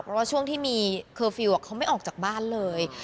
เพราะว่าช่วงที่มีเคอร์ฟิลล์เขาไม่ออกจากบ้านเลย